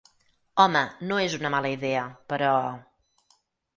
Home, no és una mala idea, però...